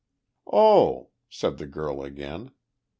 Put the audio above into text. "Oh," said the girl again.